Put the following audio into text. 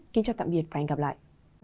kính chào tạm biệt và hẹn gặp lại